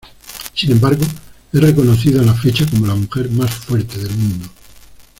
Sin embargo, es reconocida a la fecha como la mujer más fuerte del mundo.